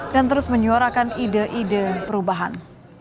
dan terus menyuarakan ide ide perubahan